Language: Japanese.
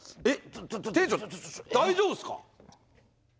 店長、大丈夫すか？